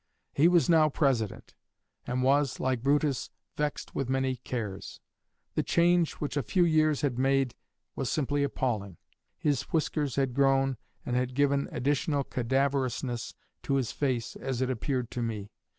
He was now President, and was, like Brutus, 'vexed with many cares.' The change which a few years had made was simply appalling. His whiskers had grown and had given additional cadaverousness to his face as it appeared to me.